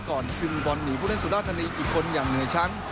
ก่อนขึ้นบอลหนีผู้เล่นสุดราษณีย์อีกคนอย่างเหนือชั้น